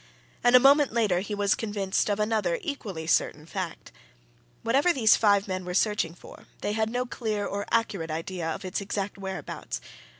And a moment later he was convinced of another equally certain fact. Whatever these five men were searching for, they had no clear or accurate idea of its exact whereabouts.